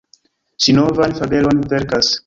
Ŝi novan fabelon verkas!